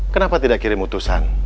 kenapa tidak kirim utusan